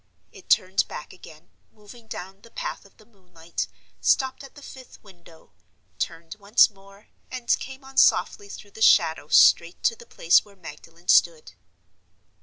It turned back again, moving down the path of the moonlight, stopped at the fifth window, turned once more, and came on softly through the shadow straight to the place where Magdalen stood.